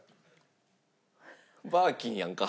バーキンやんか。